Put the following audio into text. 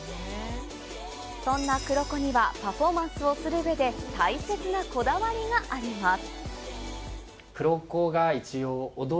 そんなＫＵＲＯＫＯにはパフォーマンスをする上で、大切なこだわりがあります。